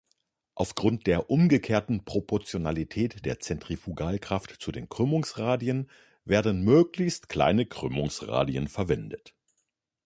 Aufgrund der "umgekehrten" Proportionalität der Zentrifugalkraft zu den Krümmungsradien werden möglichst kleine Krümmungsradien verwendet.